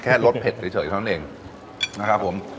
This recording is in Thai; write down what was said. แค่ลดเผ็ดเฉยอย่างนั้นเองนะครับผม